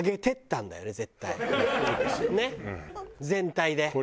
全体で。